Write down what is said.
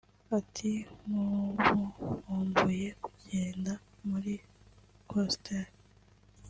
Ati “ Nk’ubu nkumbuye kugenda muri Coaster